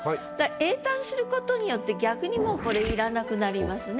詠嘆することによって逆にもうこれいらなくなりますね。